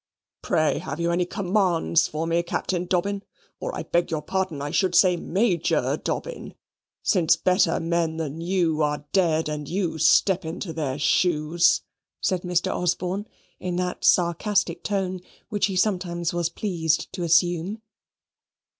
"Pray, have you any commands for me, Captain Dobbin, or, I beg your pardon, I should say MAJOR Dobbin, since better men than you are dead, and you step into their SHOES?" said Mr. Osborne, in that sarcastic tone which he sometimes was pleased to assume.